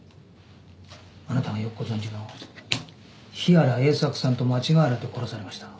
あなたがよくご存じの日原英策さんと間違われて殺されました。